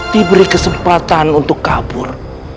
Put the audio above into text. diberi kesempatan untuk kabur